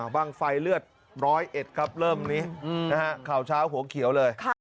บ้างไฟเลือด๑๐๑ครับเริ่มนี้ข่าวเช้าหัวเขียวเลย